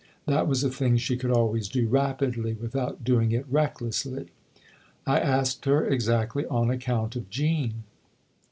That was a thing she could always do rapidly without doing it recklessly. " I asked her exactly on account of Jean."